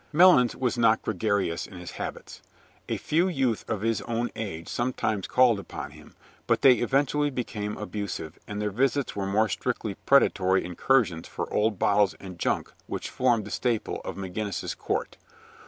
Melons was not gregarious in his habits. A few youth of his own age sometimes called upon him, but they eventually became abusive, and their visits were more strictly predatory incursions for old bottles and junk which formed the staple of McGinnis's Court.